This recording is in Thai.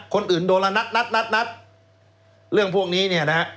คนอื่นโดนละนัดนัดเรื่องพวกนี้เนี่ยนะฮะ